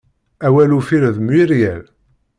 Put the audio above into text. Awal uffir d Muiriel.